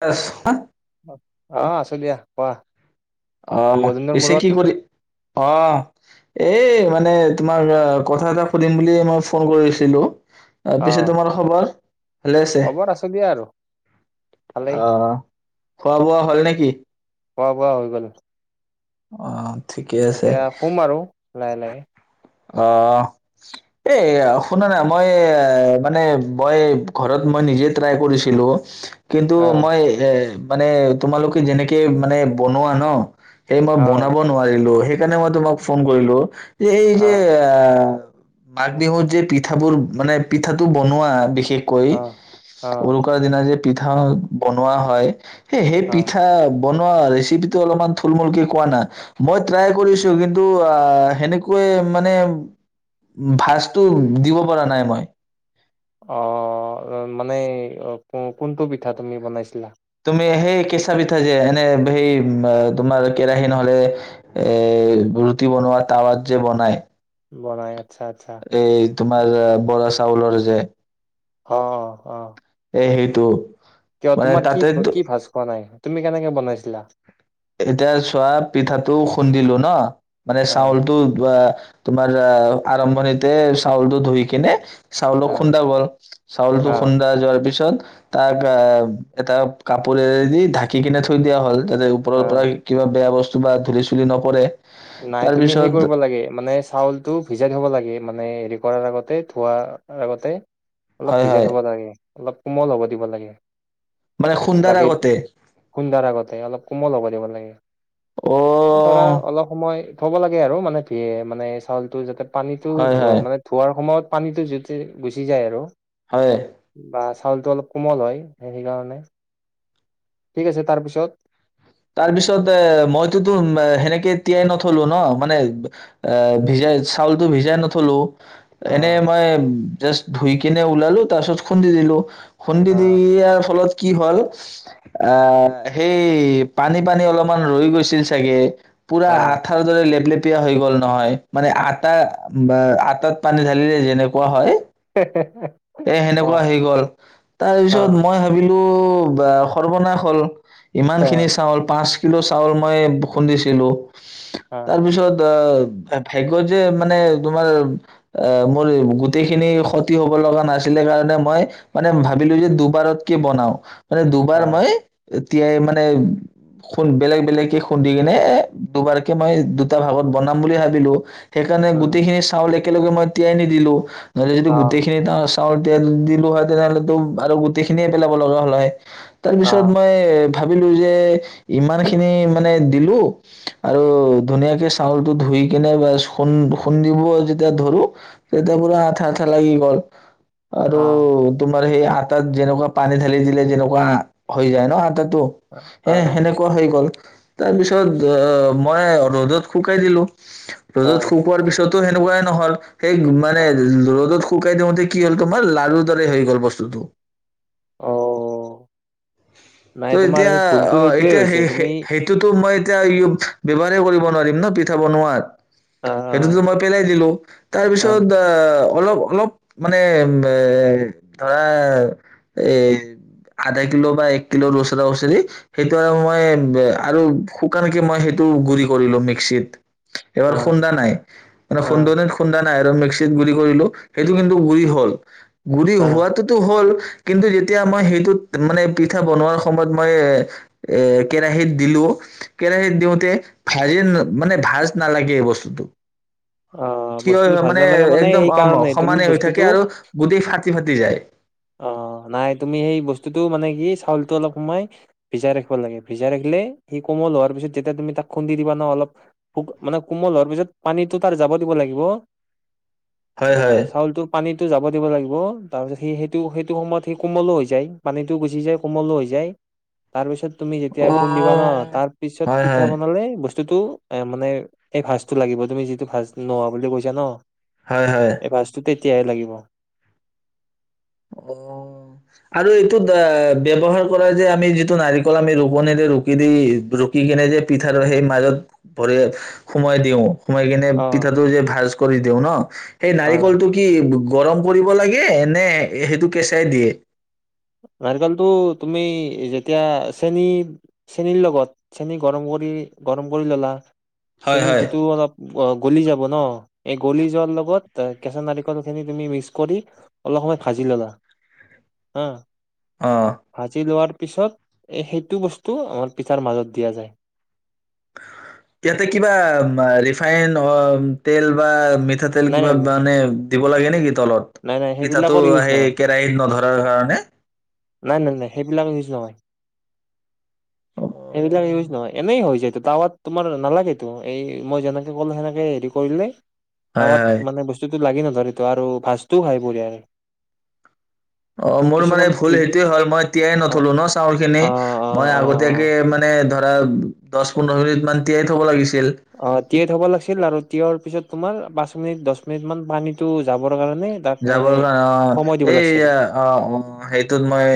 বছ হা। অ', আছোঁ দিয়া, কোৱা। অ', বহুত দিনৰ পিছে মূৰত কি কৰি, অ', এ মানে তোমাৰ অ, কথা এটা সুধিম বুলি মই ফোন কৰিছিলোঁ। অ, আহ পিছে তোমাৰ খবৰ? ভালেই আছে? খবৰ আছো দিয়া আৰু ভালেই অ'। খোৱা-বোৱা হ'ল নেকি? খোৱা বোৱা হৈ গ'ল। অ' এতিয়া শুম আৰু লাহে লাহে। অহ, এই শুনা না মই মানে মই ঘৰত মই নিজে ট্ৰাই কৰিছিলোঁ কিন্তু আহ মই এ মানে তোমালোকে যেনেকে মানে বনোৱা ন সেই মই আহ বনাব নোৱাৰিলোঁ সেই সেইকাৰণে মই তোমাক ফোন কৰিলোঁ। এই যে আহ আ মাঘ বিহুত যে পিঠাবোৰ মানে পিঠাটো বনোৱা বিশে শেষকৈ আহ আহ উৰুকাৰ দিনা যে পিঠা বনোৱা হয়। এই সেই আহ পিঠা বনোৱা ৰেচিপি টো অলপমান থুলমুলকৈ কোৱা না, মই ট্ৰাই কৰিছোঁ কিন্তু আহ্ হেনেকৈ মানে ভাজটো দিব পৰা নাই মই। অ মানে কোনটো পিঠা তুমি বনাইছিলা? তুমি সেই কেঁচা পিঠা যে এনে সেই তোমাৰ কেৰাহী নহলে এ ৰুটি বনোৱা টাৱাত যে বনাই বনাই আচ্ছা আচ্ছা এই তোমাৰ বৰাচ চাউলৰ যে অ-অ-অ এই সেইটো কিয় মানে তোমাৰ কি তাতে কি ভাজ খোৱা নাই? তুমি কেনেকে বনাইছিলা? এতিয়া চোৱা পিঠাটো খুন্দিলো ন মানে আহ চাউলটো বা তোমাৰ আৰম্ভণিতে চাউলটো ধুই কেনে চাউলো আহ খুন্দা গল চাউলটো আহ খুন্দা যোৱাৰ পিছত তাক আ এটা কাপোৰে এ দি ঢাকি কেনে থৈ দিয়া হল তাতে ওপৰৰ আহ পৰা কিবা বেয়া বস্তু কিবা ধূলি চুলি নপৰে নাই তুমি সেই তাৰপিছত কৰিব লাগে মানে চাউলতটো ভিজাই থব লাগে। মানে হেৰি কৰাৰ আগতে থোৱাৰ আগতে অলপ হয় ভিজাই হয় থব লাগে অলপ কোমল হব দিব লাগে। মানে খুন্দাৰ গাখীৰ আগতে খুন্দাৰ আগতে অলপ কোমল হব দিব লাগে। অ ধৰা অলপ হয় থব লাগে আৰু মানে- মানে চাউলটো যাতে পানীতটো হয় হয় অ মানে ধোৱাৰ সময়ত পানীটো যেতে গুচি যায় আৰু হয় বা চাউলটো অলপ কোমল হয় এই সেইকাৰণে ঠিক আছে তাৰপিছত? তাৰ পিছত এ মইতোতো সেনেকে তিয়াই নথলো ন মানে এ ভিজাই চাউলতটো ভিজাই নথলো। অ এনে মই জাষ ধুই কেনে ওলালো তাৰপাছত খুন্দি দিলোঁ। খুন্দি অ দিয়াৰ ফলত কি হল আহ সেই পানী পানী অলপমান ৰৈ গৈছিল চাগে পুৰা অ আঠাৰ দৰে লেপ লেপ হৈ গল নহয় মানে আটা- আটাত পানী ঢালিলে যেনেকুৱা হয়। [inaudible] এ অ সেনেকুৱা হৈ গল অ তাৰপিছত মই ভাবিলোঁ টো ব সৰ্বনাশ হল ইমান অ খিনি চাউল পাঁচ কিলো চাউল মই খুন্দিছিলোঁ। অ তাৰপিছত অ ভাগ্য যে মানে তোমাৰ অ মোৰ গোটেইখিনি ক্ষতি হব লগা নাছিলে কাৰণে মই মানে ভাবিলোঁ যে দুবাৰত কি বনাওঁ। মানে অ দুবাৰ মই তিয়াই মানে খু বেলেগ বেলেগকে খুন্দি কিনে এ দুবাৰকে মই দুটা ভাগত বনাম বুলি ভাবিলোঁ। সেইকাৰণে উম গোটেইখিনি চাউলে একেলগে মই তিয়াই নিদিলোঁ নহলে যিটো অ গোটেইখিনি এাস চাউল তেল দিলোঁ হয় তেনেহলেতো আৰু গোটেই খিনিয়ে পেলাব লগা হল হয়। তাৰ অ পিছত মই ভাবিলোঁ যে ইমান খিনি মানে দিলোঁ আৰু ধুনীয়াকে চাউলটো ধুই কেনে বা খুন্দ খুন্দিব যেতিয়া ধৰোঁ তেতিয়া পুৰা আঠা আঠা লাগি গল। আৰু অ তুম সেই আটাত যেনেকুৱা পানী ঢালি দিলে যেনেকুৱা হৈ যায় ন আতাত তটো অ এ সেনেকুৱা হৈ গল তাৰ পিছত অ মই ৰদত শুকাই দিলোঁ। অ ৰদত শুকোৱাৰ পিছত ও সেনেকুৱাই নহল সেই অ মানে ৰদত শুকাই দিয়োঁতে কি হল তোমাৰ লাৰুৰ দৰে হৈ গল বস্তুটো। অ ত নাই তোমাৰ এতিয়া, সেই ভুলটো অ' সেইটোয়ে এতিয়া হৈছে তুমি সে-সেই-সেইটোতো মই এয়া [unintelligible] ব্যৱহাৰে কৰিব নোৱাৰিম ন' পিঠা বনোৱাত। অ সেইটোতো মই পেলাই দিলো, তাৰপিছত অ', আ অলপ অলপ মানে মে ধৰা এ আধা কিলো বা এক কিলোৰ ওচৰা ওচৰি, সেইটো আৰু মই আৰু শুকানকে মই সেইটো গুৰি কৰি লউ মিক্সিত। এইবাৰ অ', খুন্দা নাই। এইবাৰ অ', সুন্দনীত খুন্দা ন নাই আৰু মিক্সিত গুড়ি কৰিলোঁ, সেইটো কিন্তু গুড়ি হ'ল। গুৰি অ', হোৱাতোতো হ'ল। কিন্তু যেতিয়া মই সেইটোত মানে পিঠা বনোৱাৰ সময়ত মই এ, এ, কেৰাহিত দিলো, কেৰাহিত দিওঁতে [unintelligible] মানে ভাজ নালাগে এই বস্তুটো। অ', থিয় হয় বস্তুটো ভাজি মানে, নালাগে একদম সেই অম অ, কাৰণেই তুমি সমানে হৈ থাকে বস্তুটো আৰু গোটেই ফাটি ফাটি যায়। অ, নাই তুমি সেই বস্তুটো মানে কি চাউলটো অলপ সময় ভিজাই ৰাখিব লাগে। ভিজাই ৰাখিলে সি কোমল হোৱাৰ পিছত যেতিয়া তুমি তাক খুন্দি দিবা ন' অলপ খুক মানে কোমল হোৱাৰ পিছত পানীটো তাৰ যাব দিব লাগিব। হয় হয়। অ', চাউলটো পানীতো যাব দিব লাগিব। তাৰপিছত সি হে টো সেইটো সময়ত সি কোমলো হৈ যায়, পানীটো গুচি যায় কোমলো হৈ যায়। তাৰ পিছত তুমি যেতিয়া অ খুন্দিবা ন' তাৰপিছত হয় পিঠা হয় বনালে বচ টো টো এ, মানে এই ভাজটো লাগিব, তুমি যিটো ভাজ নোহোৱা বুলি কৈছা ন'? হয় হয়। এই [unintelligible] লাগিব। অ, আৰু এইটোত এ ব্যৱহাৰ কৰে যে, আমি যিটো নাৰিকল আমি ৰুকনিৰে ৰুকি দি ৰুকি কিনে যে পিঠাৰ সেই মাজত ভৰাই সোমাই দিওঁ। সোমাই কেনে অ পিঠাটো যে ভাজ। কৰি দিওঁ ন? এই অ নাৰিকলটো কি [unintelligible] গৰম কৰিব লাগে, নে এ সেইটো কেঁচাই দিয়ে? নাৰিকলটো তুমি যেতিয়া চেনী চেনীৰ লগত, চেনী গৰম কৰি গৰম কৰি ল'লা হয় চেনী হয় যিটো অলপ অ গলি যাব। ন, এই গলি যোৱাৰ লগত কেঁচা নাৰিকলখিনি তুমি মিক্স কৰি অলপ সময় ভাজি ল'লা। অ' ভাজি লোৱাৰ পিছত সেইটো বস্তু আমাৰ পিঠাৰ মাজত দিয়া যায়। ইয়াতে কিবা মা ৰিফাইন অ তেল বা মিঠাতেল নাই কিবা নাই নাই বানে দিব লাগে নেকি? তলত। নাই নাই পিঠাটো সেইবিলাকৰ ইউজ সেই কেৰাহিত নধৰাৰ কাৰণে, নাই-নাই-নাই। সেইবিলাকে ইউজ নহয়। সেইবিলাক নহয় এনেই হৈ যায়ো তাৱাত তোমাৰ নালাগেতো এই মই যেনেকে কলো সেনেকে হেৰি কৰিলে হয় তাৱাত হয় মানে বস্তুতো লাগি ন [unintelligible] অ মোৰ মানে ভুল [unintelligible] স হ'ল মই এতিয়াই অ নথলো ন চাউল খিনি অ অ মই অ আগতীয়াকে মানে ধৰা দহ পোন্ধৰ মিনিট তিয়াই থব লাগিছিল [unintelligible] তিয়াৰ পিছত তোমাৰ পাঁচ মিনিট দহ মিনিট মান পানীটো যাব যাবলৈ অ', এই লাগিছিল অ', অ', সেইটোত মই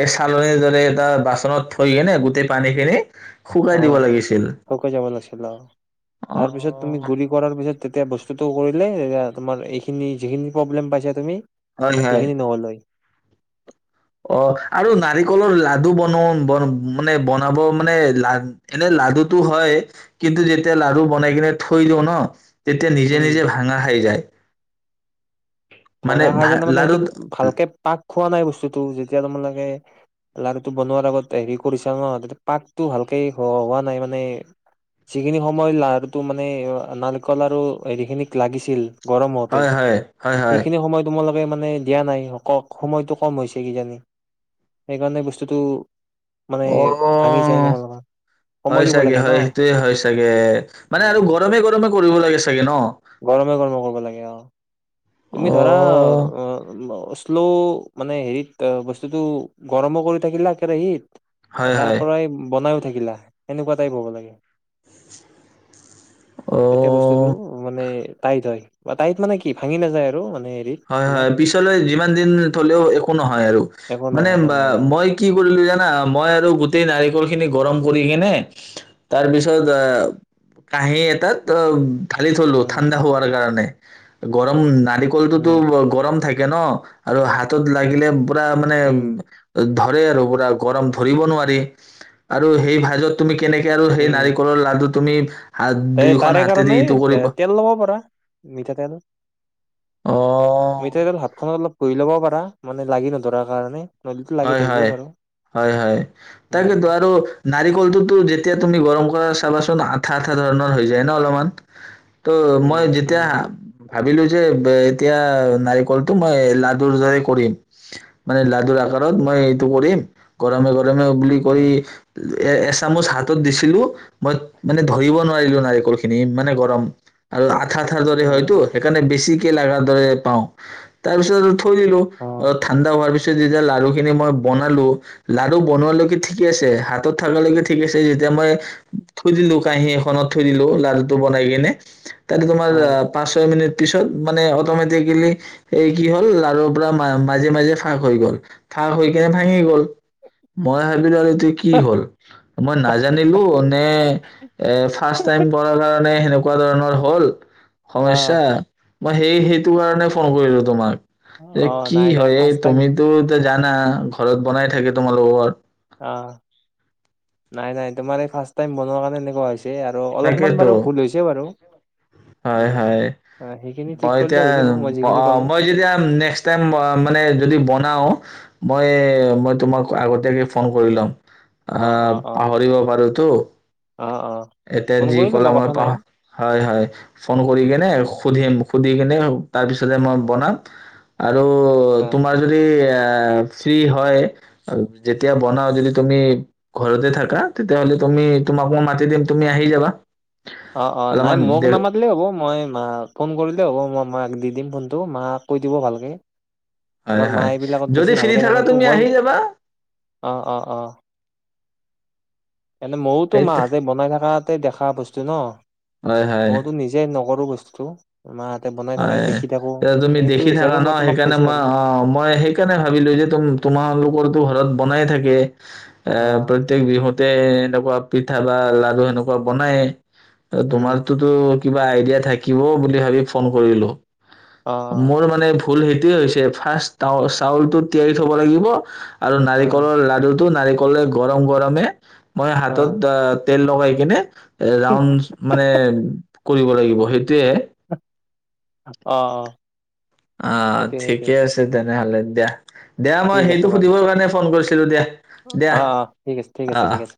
এই চালোৱে এটা বাচনত থৈ কিনে গোটেই পানী খিনি শুকাই দিব অ', লাগিছিল শুকাই যাব লাগিছিল অ'। অ তাৰ পিছত তুমি গুড়ি কৰাৰ পিছত তেতিয়া বস্তুটো কৰিলে এয়া তোমাৰ এইখিনি যিখিনি প্ৰব্লেম পাইছা তুমি হয় হয় এইখিনি নহলহৈ। অ', আৰু নাৰিকলৰ লাৰু বনও মানে বনাব মানে এনে লাডুটো হয় কিন্তু যেতিয়া লাৰু বনাই কিনে থৈ লো ন তেতিয়া নিজে উম নিজে ভাঙা খাই যায়। মানে ভাঙা খাই ভা যায় মানে সেইটো লাডুত ভালকে পাক খোৱা নাই বস্তুতটো যেতিয়া তোমাৰালোকে লাৰুটো বনোৱাৰ আগত হেৰি কৰিছা না তেতিয়া পাকটো ভালকে হোৱা নাই মানে যিখিনি সময় লাাৰুটো মানে নাৰিকল লাৰু হেৰিখিনিক লাগিছিল হয়, হয়, হয়। হয় সেইখিন সময় তোমালোক মানে দিয়া নাই সময়তটো কম হৈছে কিজানি। সেইকাৰণে বস্তুটো মানে ভাঙি যায় অ', তোমালোকৰ সময় হয় দিব চাগে লাগে ন হয় সেইটোয়ে হয় চাগে। অ মানে আৰু গৰমে গৰমে কৰিব লাগে চাগে ন গৰমে গৰমে কৰিব লাগে অ। তুমি অ ধৰা অ শ্লো মানে হেৰিত বস্তুতটো গৰমো কৰি থাকিলা কেৰাহীত হয় তাৰ হয় পৰাই বনাই দেখিলা, এনেকুৱা টাইপ হ'ব লাগে এতিয়া বস্তুটো অ টাইট হয়, বা টাইট মানে কি ভাঙি নাযায় আৰু হেৰিত হয়, তোমাৰ হয়, পিছলৈ যিমান দিন থলেও একো নহয়। আৰু একো মানে নহয় একো নহয় অ মই কি কৰিলো জানা মই আৰু গোটেই নাৰী নাৰীকল খিনি গৰম কৰি কিনে তাৰ পিছত আহ কাহি এটাত অ ঢালি থলো উম ঠাণ্ডা হোৱাৰ কাৰণে। গৰম [unintelligible] [unintelligible] উম গৰম [unintelligible] ে ন আৰু হাতত লাগিলে উম [inaudible] ধৰে আৰু পুৰা গৰম ধৰিব নোৱাৰি আৰু সেই ভাজত তুমি উম [unintelligible] তুমি হাত তে দুয়োখন তাৰে হাতেদি কাৰণে ইটো কৰিব তেল লব পাৰা মিঠাতেল অ [unintelligible] ঘহি লবও পাৰা মানে লাগি নধৰাৰ কাৰণে নহলেতো লাগি হয়- ধৰিবও হয়- পাৰো হয়- হয় তাকেতো উম আৰু নাৰিকলটোতো যেতিয়া তুমি গৰম চাবাচোন আঠা আঠা ধৰণৰ হৈ যায় ন অলপমান ত‌', উম মই উম যেতিয়া ভাবিলো যে, বে, এতিয়া নাৰিকলটো মই লাডুৰ দৰে কৰিম। মানে লাডু [unintelligible] [unintelligible] [unintelligible] উম এ এচামুচ হাতত দিছিলো মই মানে ধৰিব নোৱাৰিলো নাৰিকল খিনি ইমানে গৰম আৰু ঠাৰ ঠাৰ দৰে হয়তটো উম সেইকাৰণে বেছি [unintelligible] লাগাৰ দৰে পাওঁ। তাৰ পিছত আৰু থৈ দিলোঁ। অ অলপ ঠাণ্ডা হোৱাৰ পিছত যে যেতিয়া লাড়ু খিনি মই বনালো লাড়ু বনোৱালৈকে ঠিকে আছে হাতত থাকালৈকে ঠিক আছে যেতিয়া মই থৈ দিলো কাহী এখনত থৈ দিলো লাড়ুটো বনাই কিনে তাতে তোমাৰ অ পাঁচ ছয় মিনিট পিছত মানে অটমেটিকেলি এই কি হল লাৰুৰ পৰা মাজে মাজে ফাঁক হৈ গল থাক হৈ কেনে ভাঙি গল [unintelligible] জানিলো নে এ ফাৰ্ষ্ট টাইম পঢ়াৰ কাৰণে সেনেকুৱা ধৰণৰ হ'ল, অ সমস্যা মই সেই, সেইটো কাৰণে ফোন কৰিলোঁ, তোমাক। এ অ কি নাই নাই হয় এই ফাৰ্ষ্ট টাইম তুমিতো না, ঘৰত বনাই থাকে, তোমালোকৰ। অ নাই নাই তোমাৰ এই ফাৰ্ষ টাইম বনোৱা কাৰণে এনেকুৱা হৈছে আৰু অলপমান তাকেতো। বাৰু ভুল হৈছে বাৰু উম হয়-হয় আহ, সেইখিনি ঠিক মই কৰিলে এতিয়া হৈ যাব মই যিখিনি অ কলো মই যেতিয়া নেক্স টাইম মানে যদি বনাও মই-মই তোমাক আগতীয়াকে ফোন কৰি লম অ আহ অ অ পাহৰিব পাৰো তৌ অ', অ'। এতিয়া ফোন যি কৰি ল'বা কলা মই কথা পাহ, নাই হয় হয়। ফোন কৰি কেনে সুধিম। সুধি কিনে তাৰ পিছতে মই বনাম আৰু অ তোমাৰ যদি অ্ এ ফ্ৰী হয়। অ, যেতিয়া বনাও, যদি তুমি ঘৰতে থাকা, তেতিয়াহ'লে তুমি, তোমাক মই মাতি দিম। তুমি আহি যাবা। অ' অ' নাই অলপমান মোক দে নামাতিলেই হ'ব। মই মা ফোন কৰিলেই হ'ব। মই মাক দি দিম, ফোনটো। মাক কৈ দিব ভালকে। হয় আমাৰ মা হয় এইবিলাকত বেছি যদি ফ্ৰী ভালকে থাকা জানেতো তুমি মই আহি যাবা অ অ অ এনে মওতো, সেই মা হতে যে বনাই থকাতে দেখা বছ হয় [unintelligible] ম হয় তো নিজে ন। সৰু বস্তু। হয় এ, এতিয়া তুমি সেইটো দেখি থাকা হিচাপে ন, মই তোমাক সেইকাৰণে কৈছো মই, আৰু অ', অ', মই সেইকাৰণে ভাবিলো যে, তুম তোমালোকৰতো ঘৰত বনাই থাক [inaudible] এ, অ প্ৰত্যেক বিহুতে এনেকুৱা পি ঠা বা লাৰু, সেনেকুৱা বনাইয়ে। হ, উম তোমাৰটোতো কিবা আইডিয়া থাকিবও বুলি ভাবি ফণ কৰিলোঁ অ মোৰ মানে ভুল সেইটোৱে হৈছে। ফাৰ্ষ্ট, টা, চাউলটো তিয়াই থ'ব লাগিব। আৰু অ অ নাৰিকলৰ লাৰুটো, নাৰি ক'লে গৰম গৰমে মই হাতত তেল লগাই কেনে এ, ৰাওণ্ডছ মানে কৰিব লাগিব, সেইটোয়ে। অ অ অ', সেইটোৱে সেইটোৱে ঠিকে আছে তেনেহ'লে। দিয়া দিয়া মই ঠিক আছে সেইটো বাৰু সুধিবৰ কাৰণে ফোন কৰিছিলোঁ। [unintelligible] অ', অ', ঠিক আছে। ঠিক আছে। ঠিক আছে।